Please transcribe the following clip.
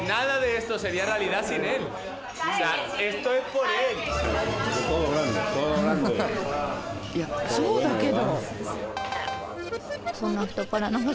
いやそうだけど。